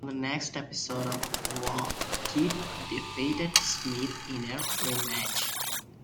On the next episode of "Raw", Kidd defeated Smith in a rematch.